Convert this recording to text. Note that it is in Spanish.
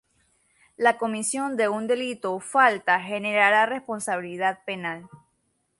La comisión de un delito o falta generará responsabilidad penal.